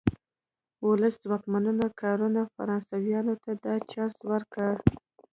ولسي ځواکونو کارونې فرانسویانو ته دا چانس ورکړ.